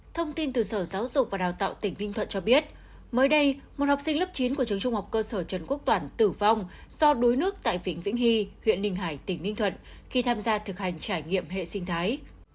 thông tin từ sở giáo dục và đào tạo tỉnh ninh thuận cho biết mới đây một học sinh lớp chín của trường trung học cơ sở trần quốc toản tử vong do đuối nước tại vịnh vĩnh hy huyện ninh hải tỉnh ninh thuận khi tham gia thực hành trải nghiệm hệ sinh thái